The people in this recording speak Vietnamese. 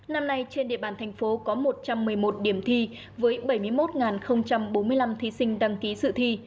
năm nay trên địa bàn thành phố có một trăm một mươi một điểm thi với bảy mươi một bốn mươi năm thí sinh đăng ký sự thi